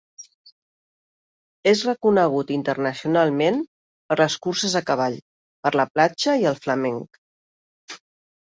És reconegut internacionalment per les curses a cavall per la platja i el flamenc.